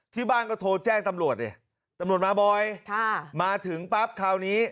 ที่บ้านก็โทรแจ้งตำรวจดิตำรวจมาบ่อยมาถึงปั๊บคราวนี้